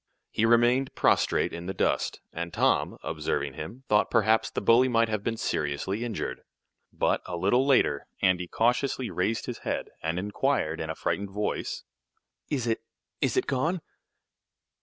He remained prostrate in the dust, and Tom, observing him, thought perhaps the bully might have been seriously injured. But, a little later, Andy cautiously raised his head, and inquired in a frightened voice: "Is it is it gone?"